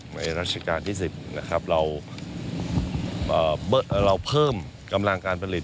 ในราชการที่๑๐เราเพิ่มกำลังการผลิต